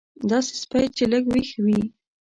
داسې سپی چې لږ وېښ وي.